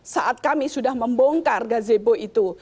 saat kami sudah membongkar gazebo itu